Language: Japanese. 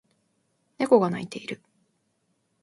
猫が鳴いている